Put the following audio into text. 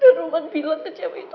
dan rumah pilotnya cewek itu